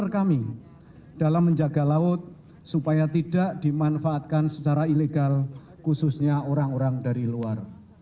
kepada orang orang dari luar